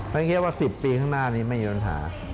เราคิดว่า๑๐ปีข้างหน้านี้ไม่ยอมหา